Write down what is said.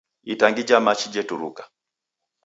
Itangi ja machi jeturuka.